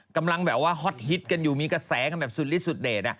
กำลังแบบว่าฮอตฮิตกันอยู่มีกระแสกันแบบสุดลิดสุดเดช